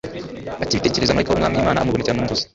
Akibitekereza, marayika w’Umwami Imana amubonekera mu nzozi